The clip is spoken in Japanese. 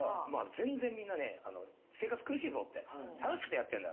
全然みんなね生活苦しいぞって楽しくてやってんだ。